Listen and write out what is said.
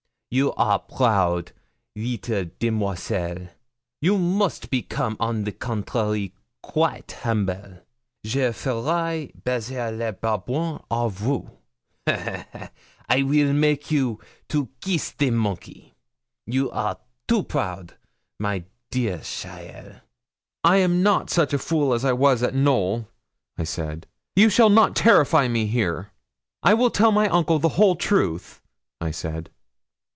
You are proud, little demoiselle; you must become, on the contrary, quaite humble. Je ferai baiser le babouin à vous ha, ha, ha! I weel make a you to kees the monkey. You are too proud, my dear cheaile.' 'I am not such a fool as I was at Knowl,' I said; 'you shall not terrify me here. I will tell my uncle the whole truth,' I said.